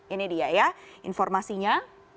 ini dia ya informasinya